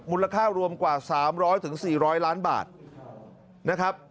มูลค่ารวมกว่า๓๐๐๔๐๐ล้านบาทนะครับ